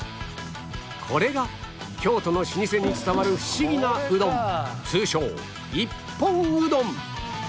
これが京都の老舗に伝わるフシギなうどん通称一本うどん